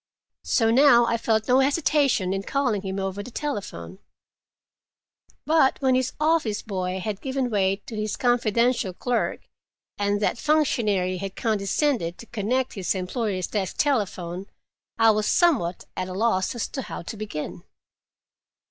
So now I felt no hesitation in calling him over the telephone. But when his office boy had given way to his confidential clerk, and that functionary had condescended to connect his employer's desk telephone, I was somewhat at a loss as to how to begin.